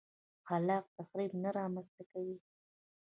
خلاق تخریب نه رامنځته کوي.